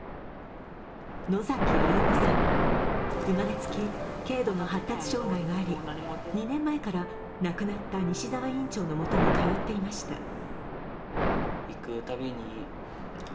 野崎歩睦さん、生まれつき軽度の発達障害があり、２年前から亡くなった西澤院長のもとに通っていました。